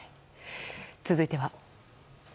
続いては。